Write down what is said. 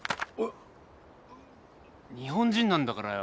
日本人なんだからよ